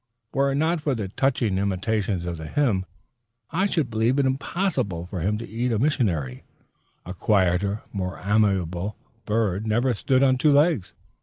Were it not for the touching intimation of the hymn, I should believe it impossible for him to eat a missionary. A quieter, more amiable bird never stood on two legs.